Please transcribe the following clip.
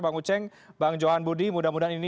bang uceng bang johan budi mudah mudahan ini